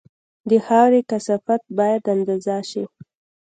د خاورې کثافت باید اندازه شي